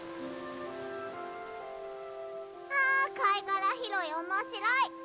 あかいがらひろいおもしろい。